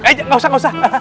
eh gak usah gak usah